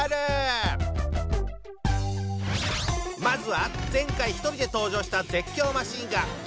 まずは前回１人で登場した絶叫マシンガン